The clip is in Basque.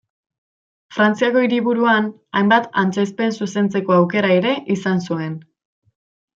Frantziako hiriburuan, hainbat antzezpen zuzentzeko aukera ere izan zuen.